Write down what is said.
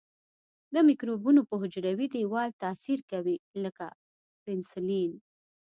د مکروبونو په حجروي دیوال تاثیر کوي لکه پنسلین.